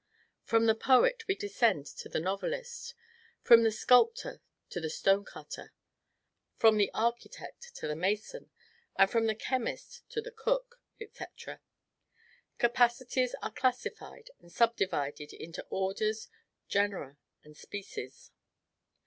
From the poet we descend to the novelist; from the sculptor to the stonecutter; from the architect to the mason; from the chemist to the cook, &c. Capacities are classified and subdivided into orders, genera, and species.